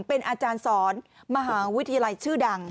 เป็นอาจารย์สอนมหาวิทยาลัยชื่อดัง